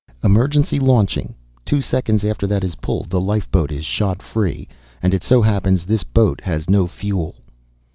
"Emergency launching. Two seconds after that is pulled the lifeboat is shot free. And it so happens this boat has no fuel."